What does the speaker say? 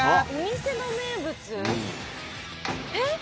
お店の名物？えっ？